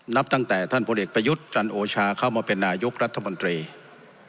นับตั้งแต่ท่านพลเอกประยุทธ์จันโอชาเข้ามาเป็นนายกรัฐมนตรี